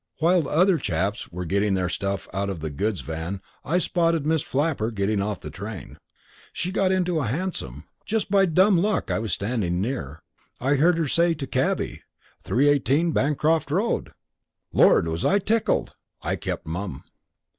While the other chaps were getting their stuff out of the goods van I spotted Miss Flapper getting off the train. She got into a hansom. Just by dumb luck I was standing near. I heard her say to cabby: "318, Bancroft Road!" Lord, was I tickled? I kept mum.